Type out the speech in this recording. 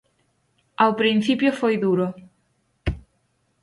Ao principio foi duro.